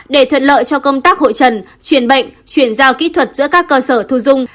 để thuận lợi cho công tác hội trần truyền bệnh chuyển giao kỹ thuật giữa các cơ sở thu dung